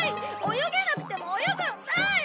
泳げなくても泳ぐんだい！